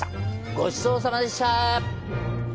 ごちそうさまでした。